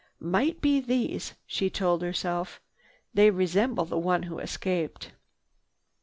"Might be these," she told herself. "They resemble the one who escaped."